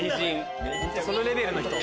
そのレベルの人。